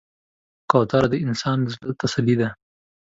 کوتره د انسان د زړه تسلي ده.